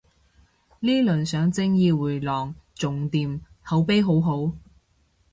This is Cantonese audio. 呢輪上正義迴廊仲掂，口碑好好